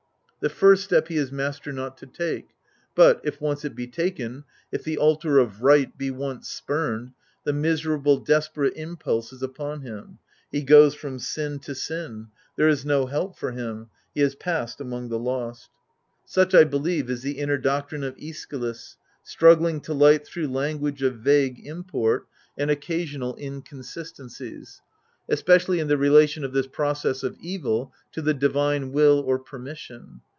"The first step he is master not to take.;" but, if once it be taken, if the altar of right be once spumed — the miserable, desperate impulse is upon him ; he goes from sin to sin, there is no help for him, he has passed among the lost. Such, I believe, is the inner doctrine of i^schylus, struggling to light through language of vague import, ^ See Maine, Ancient Law^ ch. 5. I I I xxiv THE HOUSE OF ATREUS and occasional inconsistencies ; especially in the relation of this process of evil to the divine will or permission.